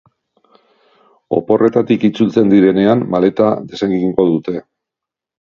Oporretatik itzultzen direnean maleta desegingo dute.